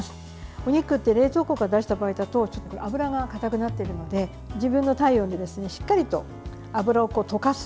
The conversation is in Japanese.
お肉って冷蔵庫から出した場合だと脂がかたくなっているので自分の体温でしっかりと脂を溶かす。